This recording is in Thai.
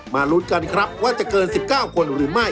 ลุ้นกันครับว่าจะเกิน๑๙คนหรือไม่